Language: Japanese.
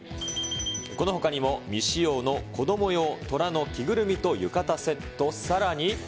このほかにも、未使用の子ども用トラの着ぐるみと浴衣セット、さらに。